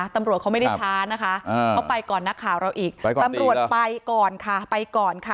ตำรวจเขาไม่ได้ช้านะคะอ่าเขาไปก่อนนักข่าวเราอีกไปก่อนตีแล้วตำรวจไปก่อนค่ะ